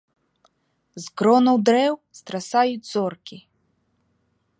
З кронаў дрэваў страсаю зоркі.